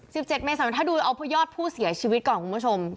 สิบเจ็ดเมษายนถ้าดูเอาเพื่อยอดผู้เสียชีวิตก่อนคุณผู้ชม